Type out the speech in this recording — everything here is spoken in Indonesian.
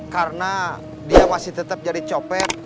karena dia masih tetap jadi copet